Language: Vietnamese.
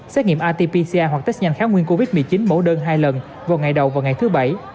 xét nghiệm atpca hoặc test nhanh kháng nguyên covid một mươi chín mẫu đơn hai lần vào ngày đầu và ngày thứ bảy